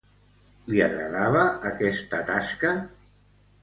Li agradava aquesta tasca?